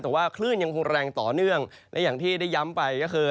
แต่ว่าคลื่นยังคงแรงต่อเนื่องและอย่างที่ได้ย้ำไปก็คือ